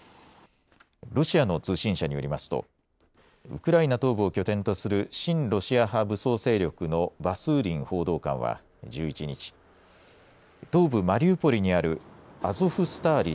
ロシアの通信社によりますとウクライナ東部を拠点とする親ロシア派武装勢力のバスーリン報道官は１１日、東部マリウポリにあるアゾフスターリ